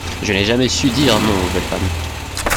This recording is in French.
Je n’ai jamais su dire non aux belles femmes.